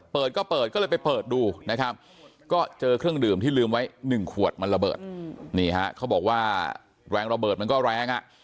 เปิดก็เปิดก็เลยไปเปิดดูนะครับก็เจอเครื่องดื่มที่ลืมไว้๑ขวดมันระเบิดนี่ฮะเขาบอกว่าแรงระเบิดมันก็แรงอ่ะ